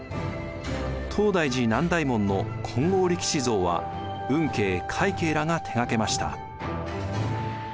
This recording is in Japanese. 東大寺南大門の金剛力士像は運慶快慶らが手がけました。